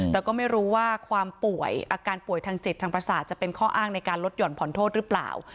แต่ก็ไม่รู้ว่าความป่วยอาการป่วยทางจิตทางประสาทจะเป็นข้ออ้างในการลดห่อนผ่อนโทษหรือเปล่า